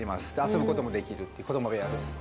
遊ぶこともできる子ども部屋です。